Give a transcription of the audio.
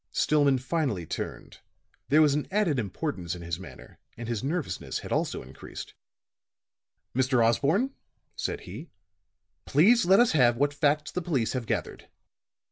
Stillman finally turned; there was an added importance in his manner, and his nervousness had also increased. "Mr. Osborne," said he, "please let us have what facts the police have gathered."